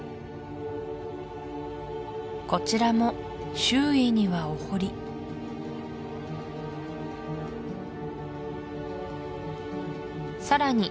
こちらも周囲にはお堀さらに